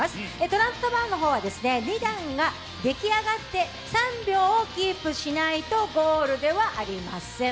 トランプタワーの方は２段ができ上がって３秒をキープしないとゴールではありません。